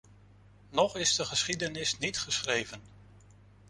Nog is de geschiedenis niet geschreven.